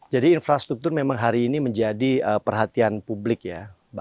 infrastruktur memang hari ini menjadi perhatian publik ya